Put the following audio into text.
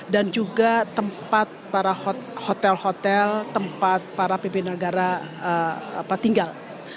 dan juga tempat para hotel hotel tempat para pimpin negara tinggal